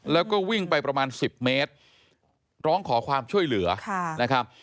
แล้วก็วิ่งไปประมาณ๑๐เมตรร้องขอความช่วยเหลือนะครับ